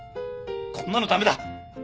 こんなの駄目だ。